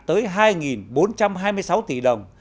tới hai bốn trăm hai mươi sáu tỷ đồng